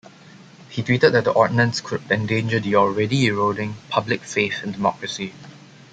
He tweeted that the ordinance could endanger the already eroding public faith in democracy.